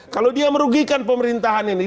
kalau dia merugikan pemerintahan ini